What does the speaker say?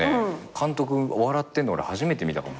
監督笑ってんの俺初めて見たかも。